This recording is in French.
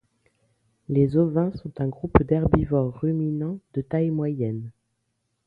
Les ovins sont un groupe d'herbivores ruminants de taille moyenne.